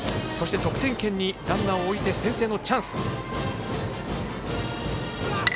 そして、得点圏にランナー置いて先制のチャンス。